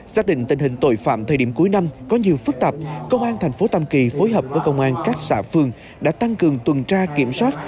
xác định tình hình tội phạm thời điểm cuối năm có nhiều phức tạp công an thành phố tam kỳ phối hợp với công an các xã phường đã tăng cường tuần tra kiểm soát